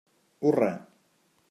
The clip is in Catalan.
Hurra!